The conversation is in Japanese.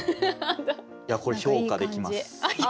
これ評価できます。